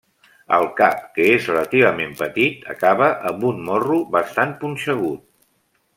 El cap, que és relativament petit, acaba amb un morro bastant punxegut.